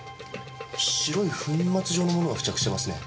白い粉末状のものが付着してますね。